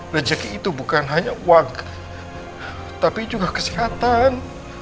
rezeki itu bukan hanya warga tapi juga kesehatan